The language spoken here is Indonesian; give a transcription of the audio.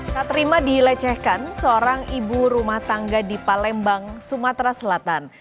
tak terima dilecehkan seorang ibu rumah tangga di palembang sumatera selatan